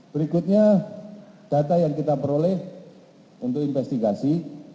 berikutnya data yang kita peroleh untuk investigasi